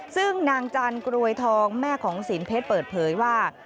ซึ่งนางจันกรวยทองแม่ของศีลเพชรเปิดเผยว่า